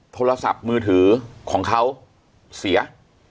โทรศัพท์มือถือของเขาเสีย